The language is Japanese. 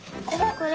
これ？